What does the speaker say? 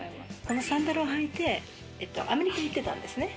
このサンダルを履いてアメリカへ行ってたんですね